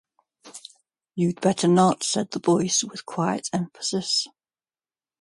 "You'd better not," said the Voice, with quiet emphasis.